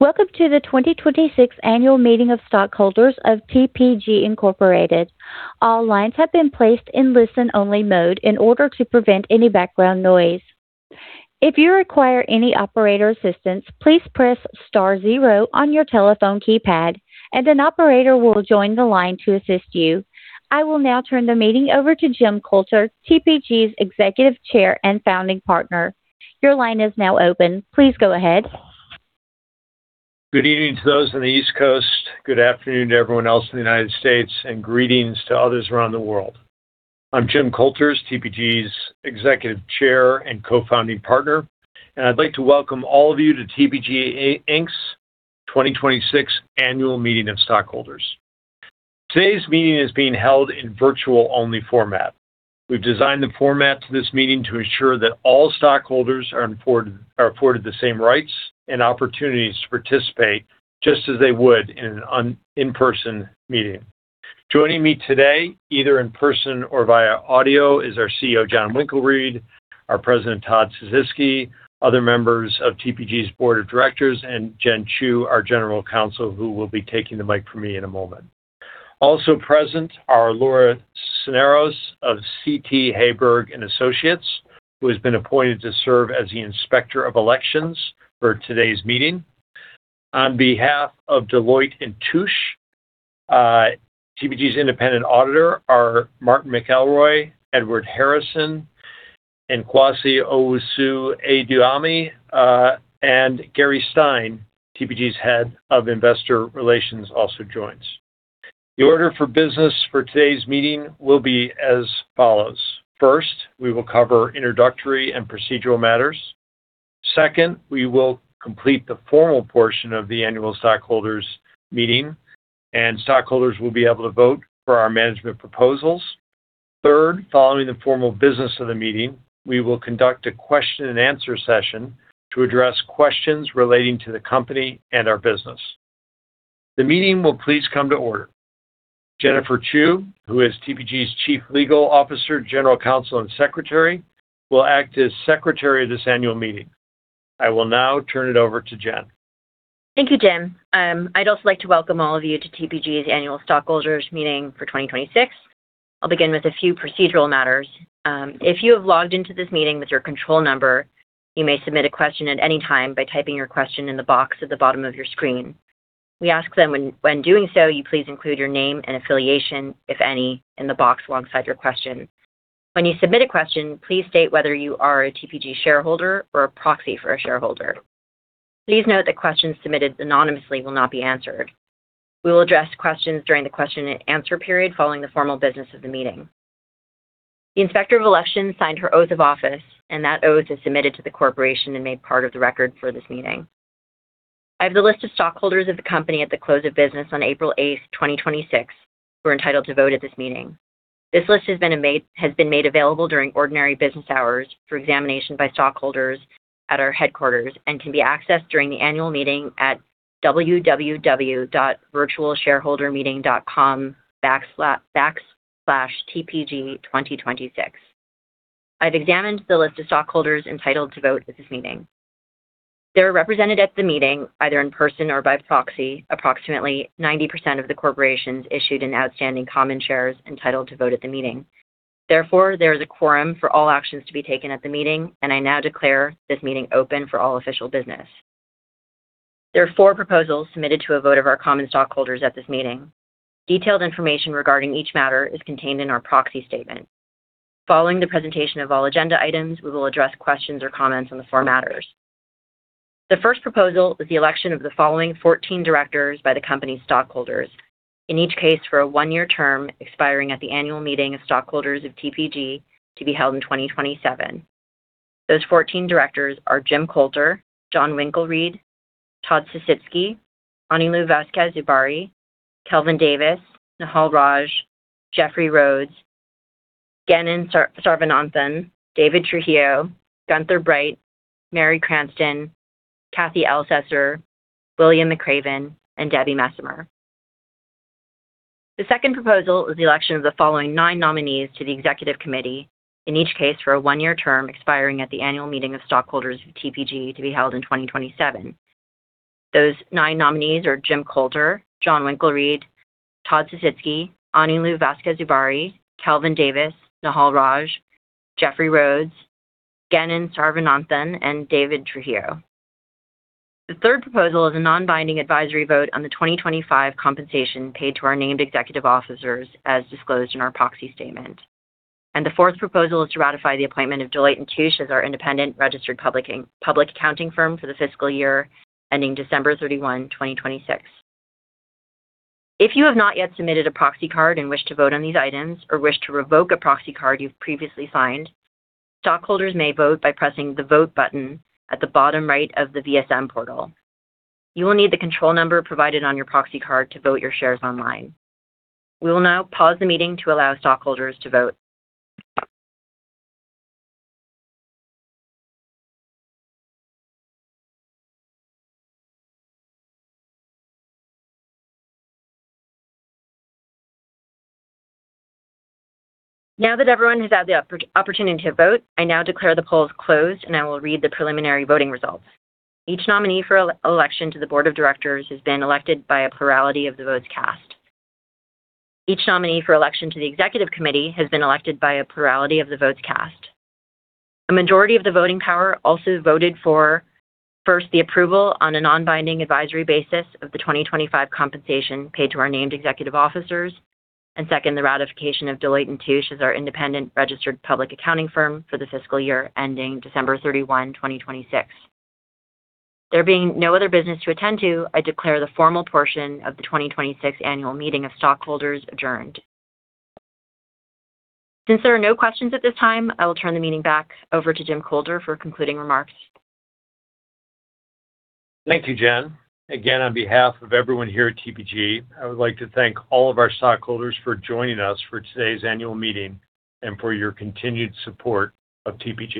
Welcome to the 2026 annual meeting of stockholders of TPG Inc. All lines have been placed in listen-only mode in order to prevent any background noise. If you require any operator assistance, please press star zero on your telephone keypad, and an operator will join the line to assist you. I will now turn the meeting over to Jim Coulter, TPG's Executive Chair and Founding Partner. Your line is now open. Please go ahead. Good evening to those on the East Coast, good afternoon to everyone else in the United States, and greetings to others around the world. I'm Jim Coulter, TPG's Executive Chair and Co-Founding Partner, and I'd like to welcome all of you to TPG Inc.'s 2026 annual meeting of stockholders. Today's meeting is being held in virtual-only format. We've designed the format to this meeting to ensure that all stockholders are afforded the same rights and opportunities to participate just as they would in an in-person meeting. Joining me today, either in person or via audio, is our CEO, Jon Winkelried, our President, Todd Sisitsky, other members of TPG's Board of Directors, and Jennifer Chu, our General Counsel, who will be taking the mic for me in a moment. Also present are Laura Sisneros of CT Hagberg & Associates, who has been appointed to serve as the Inspector of Elections for today's meeting. On behalf of Deloitte & Touche, TPG's independent auditor, are Marty McElroy, Edward Harrison, and Kwasi Owusu-Aduomi, and Gary Stein, TPG's Head of Investor Relations, also joins. The order for business for today's meeting will be as follows. First, we will cover introductory and procedural matters. Second, we will complete the formal portion of the annual stockholders meeting, and stockholders will be able to vote for our management proposals. Third, following the formal business of the meeting, we will conduct a question and answer session to address questions relating to the company and our business. The meeting will please come to order. Jennifer Chu, who is TPG's Chief Legal Officer, General Counsel, and Secretary, will act as Secretary of this annual meeting. I will now turn it over to Jen. Thank you, Jim. I'd also like to welcome all of you to TPG's annual stockholders meeting for 2026. I'll begin with a few procedural matters. If you have logged into this meeting with your control number, you may submit a question at any time by typing your question in the box at the bottom of your screen. We ask then when doing so, you please include your name and affiliation, if any, in the box alongside your question. When you submit a question, please state whether you are a TPG shareholder or a proxy for a shareholder. Please note that questions submitted anonymously will not be answered. We will address questions during the question and answer period following the formal business of the meeting. The Inspector of Elections signed her oath of office, and that oath is submitted to the corporation and made part of the record for this meeting. I have the list of stockholders of the company at the close of business on April 8th, 2026, who are entitled to vote at this meeting. This list has been made available during ordinary business hours for examination by stockholders at our headquarters and can be accessed during the annual meeting at www.virtualshareholdermeeting.com/TPG2026. I've examined the list of stockholders entitled to vote at this meeting. There are represented at the meeting, either in person or by proxy, approximately 90% of the corporation's issued in outstanding common shares entitled to vote at the meeting. Therefore, there is a quorum for all actions to be taken at the meeting, and I now declare this meeting open for all official business. There are four proposals submitted to a vote of our common stockholders at this meeting. Detailed information regarding each matter is contained in our proxy statement. Following the presentation of all agenda items, we will address questions or comments on the four matters. The first proposal is the election of the following 14 directors by the company stockholders, in each case for a one-year term expiring at the annual meeting of stockholders of TPG to be held in 2027. Those 14 directors are Jim Coulter, Jon Winkelried, Todd Sisitsky, Anilu Vazquez-Ubarri, Kelvin Davis, Nehal Raj, Jeffrey Rhodes, Ganen Sarvananthan, David Trujillo, Gunther Bright, Mary Cranston, Kathy Elsesser, William McRaven, and Deborah Messemer. The second proposal is the election of the following nine nominees to the executive committee, in each case for a one-year term expiring at the annual meeting of stockholders of TPG to be held in 2027. Those nine nominees are Jim Coulter, Jon Winkelried, Todd Sisitsky, Anilu Vazquez-Ubarri, Kelvin Davis, Nehal Raj, Jeffrey Rhodes, Ganen Sarvananthan, and David Trujillo. The third proposal is a non-binding advisory vote on the 2025 compensation paid to our named executive officers as disclosed in our proxy statement. The fourth proposal is to ratify the appointment of Deloitte & Touche as our independent registered public accounting firm for the fiscal year ending December 31, 2026. If you have not yet submitted a proxy card and wish to vote on these items or wish to revoke a proxy card you've previously signed, stockholders may vote by pressing the vote button at the bottom right of the VSM portal. You will need the control number provided on your proxy card to vote your shares online. We will now pause the meeting to allow stockholders to vote. Now that everyone has had the opportunity to vote, I now declare the polls closed, and I will read the preliminary voting results. Each nominee for election to the board of directors has been elected by a plurality of the votes cast. Each nominee for election to the executive committee has been elected by a plurality of the votes cast. A majority of the voting power also voted for, first, the approval on a non-binding advisory basis of the 2025 compensation paid to our named executive officers, and second, the ratification of Deloitte & Touche as our independent registered public accounting firm for the fiscal year ending December 31, 2026. There being no other business to attend to, I declare the formal portion of the 2026 annual meeting of stockholders adjourned. Since there are no questions at this time, I will turn the meeting back over to Jim Coulter for concluding remarks. Thank you, Jen. Again, on behalf of everyone here at TPG, I would like to thank all of our stockholders for joining us for today's annual meeting and for your continued support of TPG.